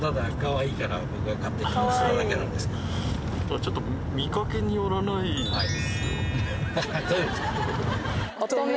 ちょっと見かけによらないですよね。